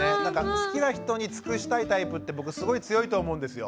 好きな人に尽くしたいタイプって僕すごい強いと思うんですよ。